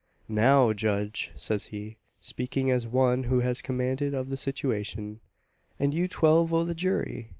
"Now, judge!" says he, speaking as one who has command of the situation, "an' you twelve o' the jury!